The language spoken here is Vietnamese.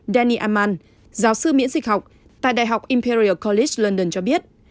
danny amman giáo sư miễn dịch học tại đại học imperial college london cho biết